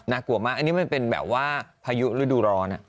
กลัวมากอันนี้มันเป็นแบบว่าพายุฤดูร้อน